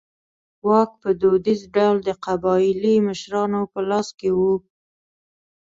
واک په دودیز ډول د قبایلي مشرانو په لاس کې و.